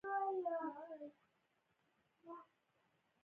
انګرېزانو او مرهټیانو اتحاد ضروري دی.